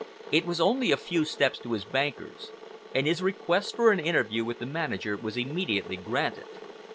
It was only a few steps to his bankers, and his request for an interview with the manager was immediately granted.